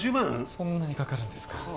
そんなにかかるんですかは